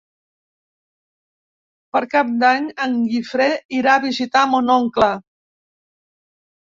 Per Cap d'Any en Guifré irà a visitar mon oncle.